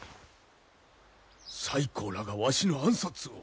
西光らがわしの暗殺を？